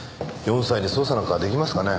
４歳に捜査なんか出来ますかね？